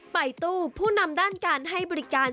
ไปตู้ผู้นำด้านการให้บริการ